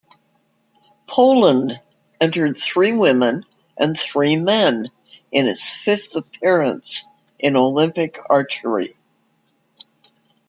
Poland entered three women and three men in its fifth appearance in Olympic archery.